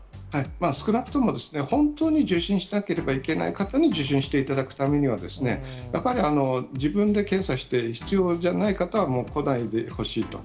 少なくとも本当に受診しなければいけない方に受診していただくためには、やっぱり自分で検査して必要じゃない方はもう、来ないでほしいと。